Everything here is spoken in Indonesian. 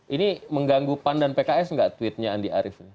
ini mengganggu pan dan pks nggak tweetnya andi arief ini